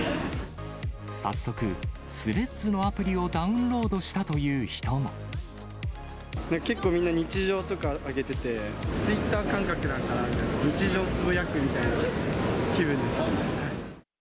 早速、スレッズのアプリをダ結構みんな、日常とか上げてて、ツイッター感覚なのかなみたいな、日常つぶやくみたいな気分ですね。